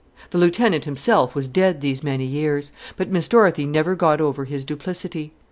The lieutenant himself was dead these many years; but Miss Dorothy never got over his duplicity.